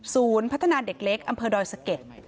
ศูนย์พัฒนาเด็กเล็กอำเภอดอยศเก็ต